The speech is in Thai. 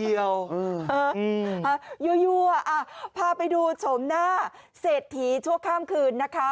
ยั่วพาไปดูโฉมหน้าเศรษฐีชั่วข้ามคืนนะคะ